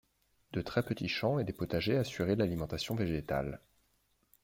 De très petits champs et des potagers assuraient l'alimentation végétale.